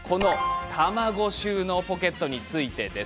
卵収納ポケットについてです。